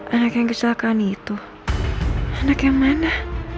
anak yang kesakan itu anak yang mana